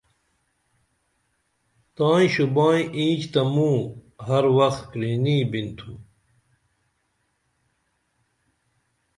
تائیں شوبائی اینچ تہ موں ہر وخ کرِنی بِنتُھم